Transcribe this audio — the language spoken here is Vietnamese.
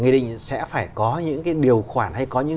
về nguyên tắc